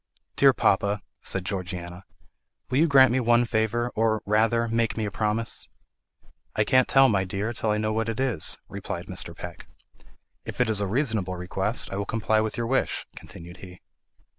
"Dear papa," said Georgiana, "will you grant me one favour; or, rather, make me a promise?" "I can't tell, my dear, till I know what it is," replied Mr. Peck. "If it is a reasonable request, I will comply with your wish," continued he.